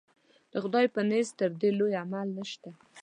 د خدای په نزد تر دې لوی عمل نشته.